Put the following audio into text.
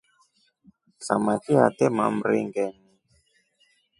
Samaki atema mringeni.